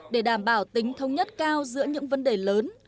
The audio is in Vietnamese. để đảm bảo tính thông nhất cao giữa những vấn đề lớn